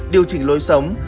điều trình lối sống